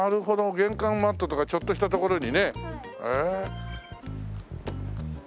玄関マットとかちょっとしたところにね。